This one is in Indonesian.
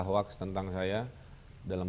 hoax tentang saya dalam